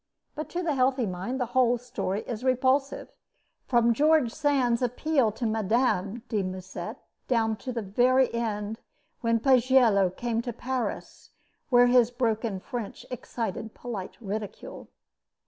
But to the healthy mind the whole story is repulsive from George Sand's appeal to Mme. de Musset down to the very end, when Pagello came to Paris, where his broken French excited a polite ridicule.